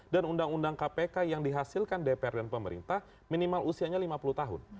dan undang undang kpk yang dihasilkan dpr dan pemerintah minimal usianya lima puluh tahun